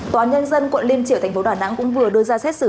tòa nhân dân quận liên triều thành phố đà nẵng cũng vừa đưa ra xét xử